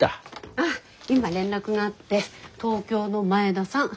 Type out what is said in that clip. あっ今連絡があって東京の前田さん。